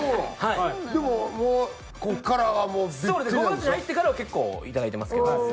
５月に入ってからは結構いただいてますけど。